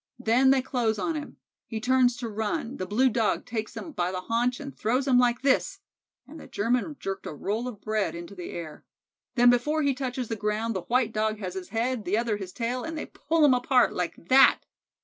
Then they close on him. He turns to run, the blue Dog takes him by the haunch and throws him like this," and the German jerked a roll of bread into the air; "then before he touches the ground the white Dog has his head, the other his tail, and they pull him apart like that."